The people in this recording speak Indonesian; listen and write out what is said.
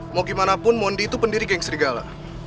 mau gimana pun mondi itu pendiri geng serigala